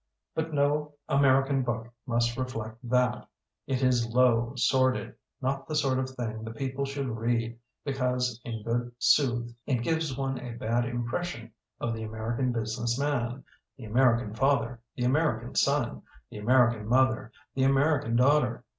But no American book must reflect that. It is low, sordid, not the sort of thing the people should read, because, in good sooth, it gives one a bad impression of the American business man, the Amer ican father, the American son, the American mother, the American daughter.